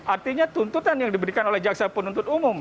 artinya tuntutan yang diberikan oleh jaksa penuntut umum